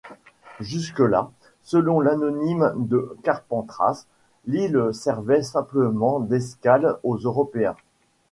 Jusque-là, selon l'anonyme de Carpentras, l'île servait simplement d'escale aux Européens.